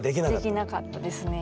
できなかったですね。